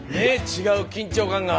違う緊張感が。